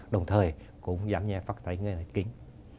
đồng thời cũng giảm nhẹ phát thai nhà kính